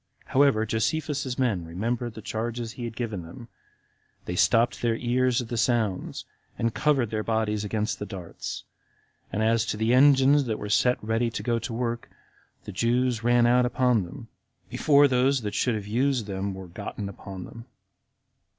However, Josephus's men remembered the charges he had given them, they stopped their ears at the sounds, and covered their bodies against the darts; and as to the engines that were set ready to go to work, the Jews ran out upon them, before those that should have used them were gotten upon them.